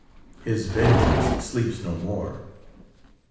His vengeance sleeps no more.